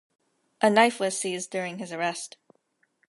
A knife was seized during his arrest.